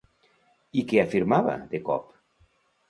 I què afirmava, de cop?